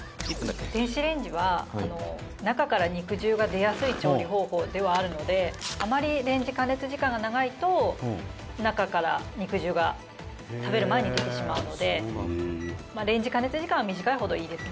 「電子レンジは中から肉汁が出やすい調理方法ではあるのであまりレンジ加熱時間が長いと中から肉汁が食べる前に出てしまうのでレンジ加熱時間は短いほどいいですね」